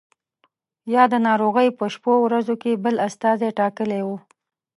یا د ناروغۍ په شپو ورځو کې بل استازی ټاکلی وو.